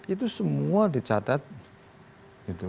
itu semua dicatat